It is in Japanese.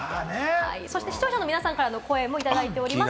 視聴者の皆さんからの声もいただいております。